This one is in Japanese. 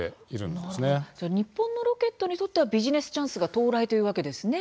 日本のロケットにとってはビジネスチャンスが到来というわけですね。